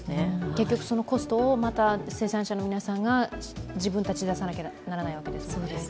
結局そのコストをまた生産者の皆さんが自分たちで出さなければいけないんですね。